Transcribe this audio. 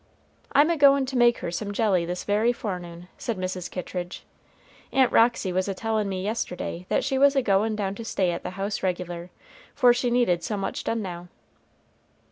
"I'm a goin' to make her some jelly this very forenoon," said Mrs. Kittridge. "Aunt Roxy was a tellin' me yesterday that she was a goin' down to stay at the house regular, for she needed so much done now."